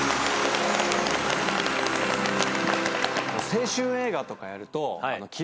青春映画とかやると。